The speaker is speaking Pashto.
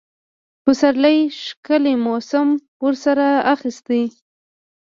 د پسرلي ښکلي موسم ورسره اخیستی.